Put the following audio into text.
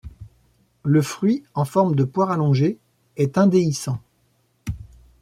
Le fruit en forme de poire allongée est indéhiscent.